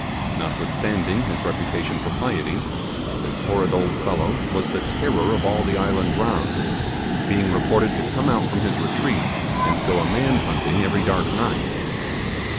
Notwithstanding his reputation for piety, this horrid old fellow was the terror of all the island round, being reported to come out from his retreat, and go a man hunting every dark night.